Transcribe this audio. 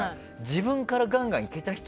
自分からガンガンいけた人？